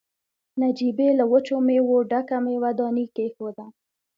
نجيبې له وچو مېوو ډکه مېوه داني کېښوده.